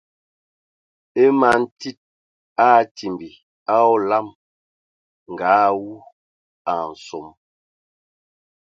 E man tsid a atimbi a olam nga awū a nsom.